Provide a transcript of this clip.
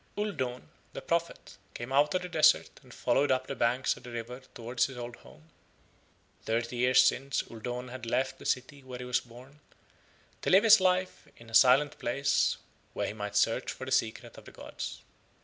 Uldoon, the prophet, came out of the desert and followed up the bank of the river towards his old home. Thirty years since Uldoon had left the city, where he was born, to live his life in a silent place where he might search for the secret of the gods.